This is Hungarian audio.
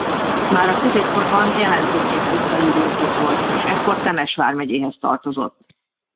Már a középkorban jelentékeny pusztai birtok volt és ekkor Temes vármegyéhez tartozott.